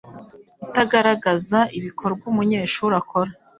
itagaragazaga ibikorwa umunyeshuri akora